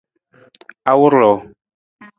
Awur ruu?